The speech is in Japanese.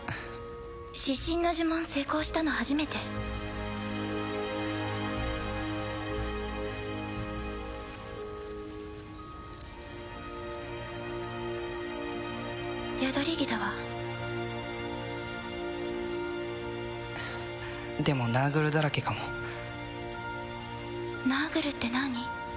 失神の呪文成功したの初めてヤドリギだわでもナーグルだらけかもナーグルって何？